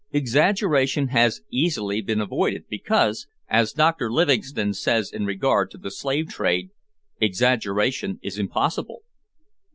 Exaggeration has easily been avoided, because as Dr Livingstone says in regard to the slave trade "exaggeration is impossible."